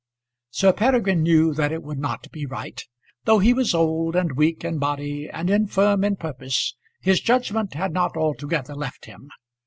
Sir Peregrine knew that it would not be right. Though he was old, and weak in body, and infirm in purpose, his judgment had not altogether left him.